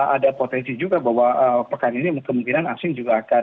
ada potensi juga bahwa pekan ini kemungkinan asing juga akan